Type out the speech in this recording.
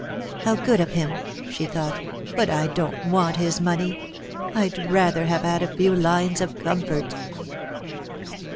" How good of him !" she thought ;" but I don't want hia money. I'd rather have had a few lines of comfort."